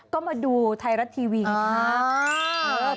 ก็มาดูไทยรัฐทีวีนะครับ